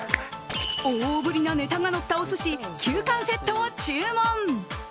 大ぶりなネタがのったお寿司９貫セットを注文。